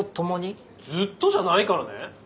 ずっとじゃないからね。